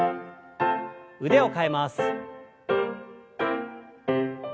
腕を替えます。